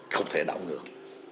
không thể đảo ngược